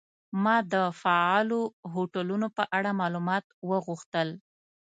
ما د فعالو هوټلونو په اړه معلومات وغوښتل.